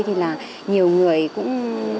thì nhiều người cũng rất là mừng